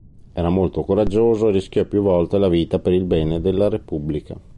Era molto coraggioso, e rischiò più volte la vita per il bene della Repubblica.